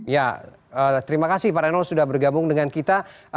ya terima kasih pak renold sudah bergabung dengan kita